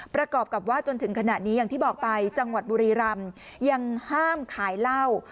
ประกอบกับว่าจนถึงขณะนี้อย่างที่บอกไปจังหวัดบุรีรำยังห้ามขายเหล้า